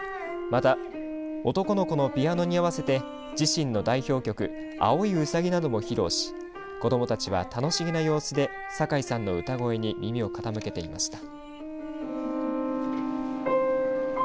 また、男の子のピアノに合わせて自身の代表曲碧いうさぎなども披露し子どもたちは楽しげな様子で酒井さんの歌声に耳を傾けていました。